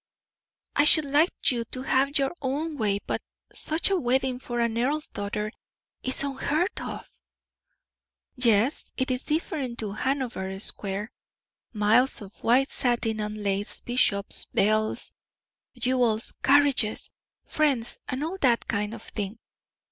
I should like you to have your own way; but such a wedding for an earl's daughter is unheard of." "Yes; it is different to Hanover Square, miles of white satin and lace, bishops, bells, jewels, carriages, friends, and all that kind of thing.